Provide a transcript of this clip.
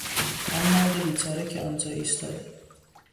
آن مرد بیچاره که آنجا ایستاده...